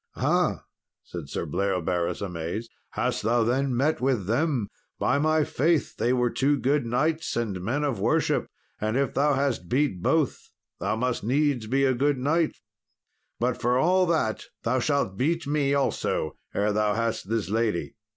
"Ah," said Sir Bleoberis, amazed; "hast thou then met with them? By my faith, they were two good knights and men of worship, and if thou hast beat both thou must needs be a good knight; but for all that thou shalt beat me also ere thou hast this lady."